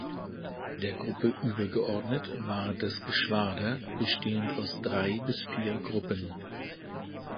Der Gruppe übergeordnet war das Geschwader, bestehend aus drei bis vier Gruppen.